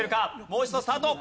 もう一度スタート。